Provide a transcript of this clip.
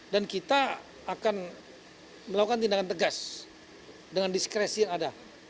dan kita akan melakukan tindakan tegas dengan diskresi yang ada